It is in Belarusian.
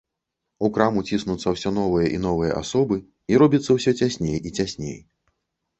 У краму ціснуцца ўсё новыя і новыя асобы, і робіцца ўсё цясней і цясней.